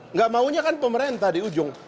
nggak maunya kan pemerintah di ujung